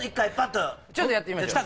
ちょっとやってみましょうよ。